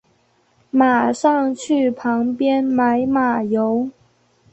马上去旁边买马油